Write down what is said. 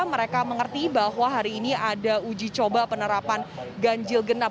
mereka mengerti bahwa hari ini ada uji coba penerapan ganjil genap